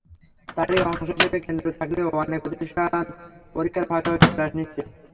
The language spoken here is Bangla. তারই অংশ হিসেবে কেন্দ্র থাকলেও অনেক প্রতিষ্ঠান পরীক্ষার ফাঁকে ফাঁকে ক্লাস নিচ্ছে।